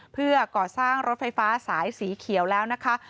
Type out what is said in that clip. เพื่อก่อสร้างรถไฟฟ้าสายสีเขียวแล้วนะคะ